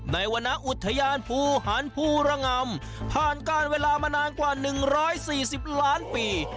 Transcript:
วรรณอุทยานภูหารภูระงำผ่านก้านเวลามานานกว่า๑๔๐ล้านปี